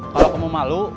kalau kamu malu